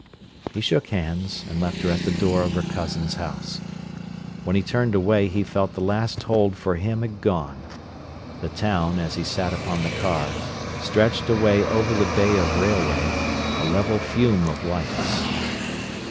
He shook hands and left her at the door of her cousin's house. When he turned away he felt the last hold for him had gone. The town, as he sat upon the car, stretched away over the bay of railway, a level fume of lights.